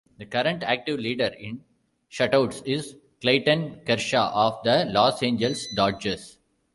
The current active leader in shutouts is Clayton Kershaw of the Los Angeles Dodgers.